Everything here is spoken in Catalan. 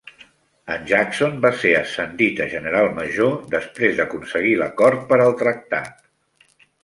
En Jackson va ser ascendit a General Major després d'aconseguir l'acord per al tractat.